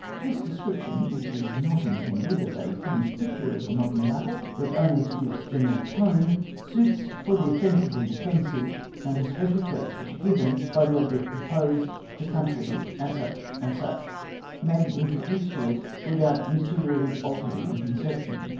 This description, which is not intended as a finished picture of a modern battle, but only to give its general tone, suits for the offensive and defensive, and the special traits which are given, by the object proposed, the country, &c. &c., may be introduced into it, without materially altering the conception.